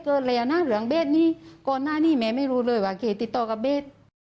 ก็เรียนหน้าเหลืองเบสนี่ก่อนหน้านี่แม้ไม่รู้เลยว่าเคยติดต่อกับเบส